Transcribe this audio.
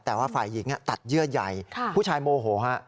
แต่ว่าฝ่ายหญิงตัดเยื่อใหญ่ผู้ชายโมโหฮะ